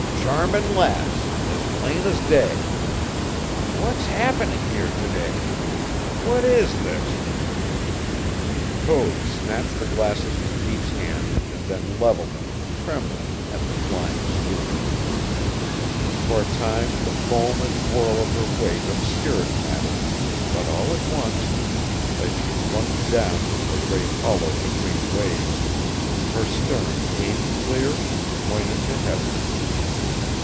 Charming Lass, as plain as day! What's happening here to day? What is this?" Code snatched the glasses from Pete's hand and then leveled them, trembling, at the flying schooner. For a time the foam and whirl of her wake obscured matters, but all at once, as she plunged down into a great hollow between waves, her stern came clear and pointed to heaven.